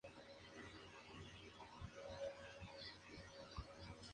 Calle Diego de Mazariegos, en el Ex convento de la Iglesia de la Merced.